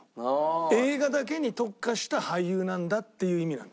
映画だけに特化した俳優なんだっていう意味なの。